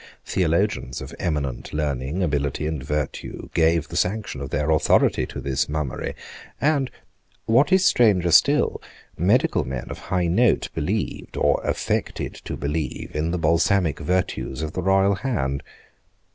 Theologians of eminent learning, ability, and virtue gave the sanction of their authority to this mummery; and, what is stranger still, medical men of high note believed, or affected to believe, in the balsamic virtues of the royal hand.